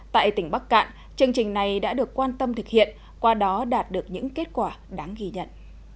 tại tỉnh bắc cạn chương trình này đã được quan tâm thực hiện qua đó đạt được những kết quả đáng ghi nhận